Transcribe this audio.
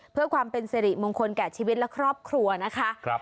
เพื่อความเป็นสิริมงคลแก่ชีวิตและครอบครัวนะคะ